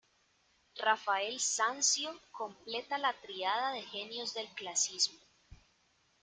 Rafael Sanzio completa la tríada de genios del clasicismo.